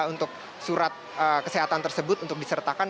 untuk surat kesehatan tersebut untuk disertakan